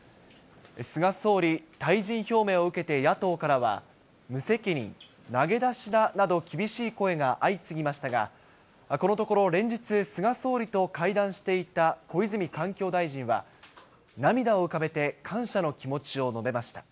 菅総理、退陣表明を受けて野党からは、無責任、投げ出しだなど、厳しい声が相次ぎましたが、このところ、連日、菅総理と会談していた小泉環境大臣は、涙を浮かべて感謝の気持ちを述べました。